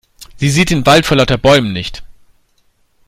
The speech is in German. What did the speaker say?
Sie sieht den Wald vor lauter Bäumen nicht.